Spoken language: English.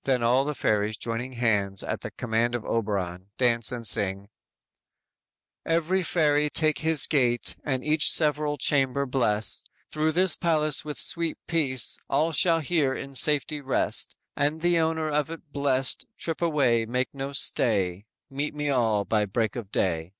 "_ Then all the fairies, joining hands at the command of Oberon, dance and sing: _"Every fairy take his gait, And each several chamber bless; Through this palace with sweet peace, All shall here in safety rest And the owner of it blest, Trip away, make no stay; Meet me all by break of day!"